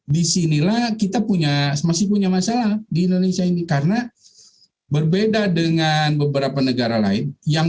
disinilah kita punya masih punya masalah di indonesia ini karena berbeda dengan beberapa negara lain